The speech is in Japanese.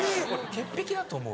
潔癖だと思う